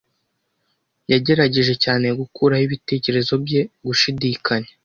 Yagerageje cyane gukuraho ibitekerezo bye gushidikanya.